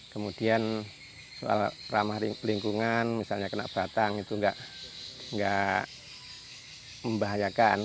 kemudian soal ramah lingkungan misalnya kena batang itu nggak membahayakan